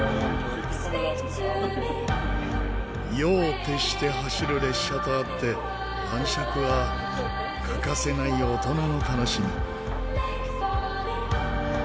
夜を徹して走る列車とあって晩酌は欠かせない大人の楽しみ。